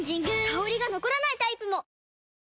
香りが残らないタイプも！